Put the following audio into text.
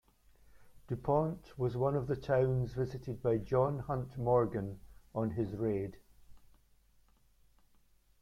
Dupont was one of the towns visited by John Hunt Morgan on his raid.